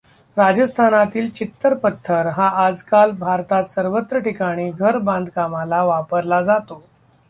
राजस्थानातील चित्तर पत्थर हा आजकाल भारतात सर्वत्र ठिकाणी घर बांधकामाला वापरला जातो.